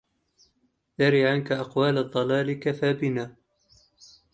ذري عنك أقوال الضلال كفى بنا